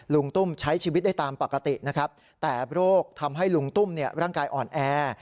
ลุงตุ้มใช้ชีวิตได้ตามปกตินะครับแต่โรคทำให้ลุงตุ้มร่างกายอ่อนแอ